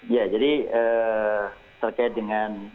ya jadi terkait dengan